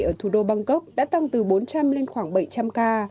ở thủ đô bangkok đã tăng từ bốn trăm linh lên khoảng bảy trăm linh ca